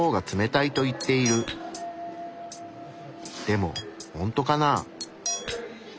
でもほんとかな？